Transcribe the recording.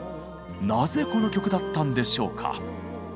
なぜこの曲だったんでしょうか？